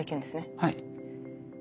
はい。